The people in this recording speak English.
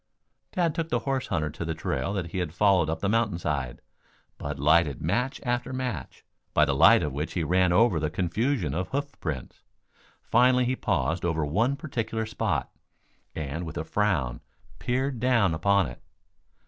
Tad took the horse hunter to the trail that he had followed up the mountain side. Bud lighted match after match, by the light of which he ran over the confusion of hoofprints. Finally he paused over one particular spot, and with a frown peered down upon it.